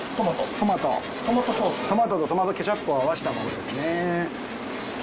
トマトとトマトケチャップを合わせたものですね。